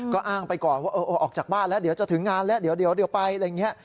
ก็อ้างไปก่อนว่าออกจากบ้านแล้วเดี๋ยวจะถึงงานแล้วเดี๋ยวไป